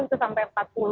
itu sampai empat puluh